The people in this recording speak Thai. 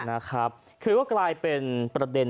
นะครับคือก็กลายเป็นประเด็น